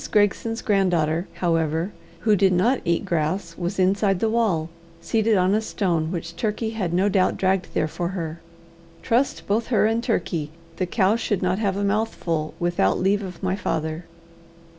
Gregson's granddaughter, however, who did not eat grass, was inside the wall, seated on a stone which Turkey had no doubt dragged there for her. Trust both her and Turkey, the cow should not have a mouthful without leave of my father.